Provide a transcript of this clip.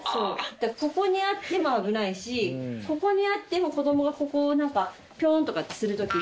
ここにあっても危ないしここにあっても子どもがここをなんかピョーンとかってする時に。